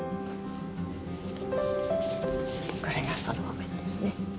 これがその譜面ですね。